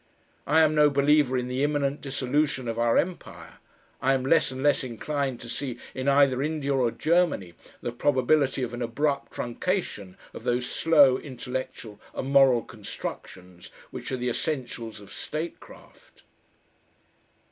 I am no believer in the imminent dissolution of our Empire; I am less and less inclined to see in either India or Germany the probability of an abrupt truncation of those slow intellectual and moral constructions which are the essentials of statecraft.